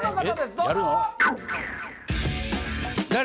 どうぞ誰？